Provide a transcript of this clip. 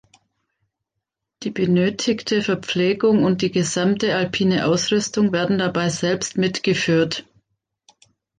Die benötigte Verpflegung und die gesamte alpine Ausrüstung werden dabei selbst mitgeführt.